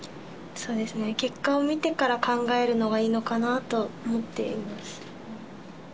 そうですね、結果を見てから考えるのがいいのかなと思っています。